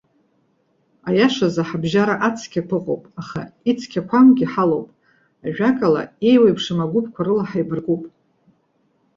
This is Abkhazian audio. Аиашазы ҳабжьара ацқьақәа ыҟоуп, аха ицқьақәамгьы ҳалоуп. Ажәак ала, иеиуеиԥшым агәыԥқәа рыла ҳаибаркуп.